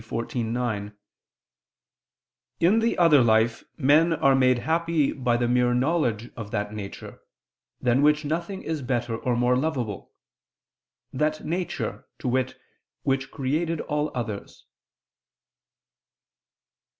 xiv, 9), "in the other life men are made happy by the mere knowledge of that nature, than which nothing is better or more lovable, that Nature, to wit, which created all others."